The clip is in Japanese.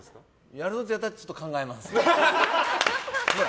やるぞと言われたらちょっと考えます。